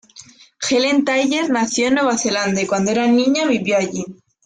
Helen Thayer nació en Nueva Zelanda, y cuando era niña vivió allí.